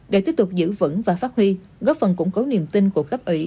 để tiếp tục giữ vững và phát huy góp phần củng cố niềm tin của cấp ủy